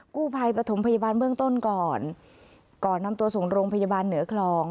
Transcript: กู้ภัยปฐมพยาบาลเบื้องต้นก่อนก่อนนำตัวส่งโรงพยาบาลเหนือคลอง